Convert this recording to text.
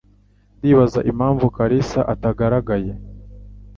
Ndibaza impamvu Kalisa atagaragaye